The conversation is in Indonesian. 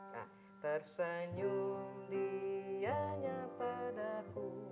nah tersenyum dianya padaku